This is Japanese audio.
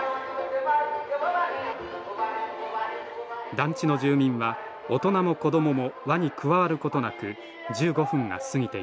団地の住民は大人も子どもも輪に加わることなく１５分が過ぎていきました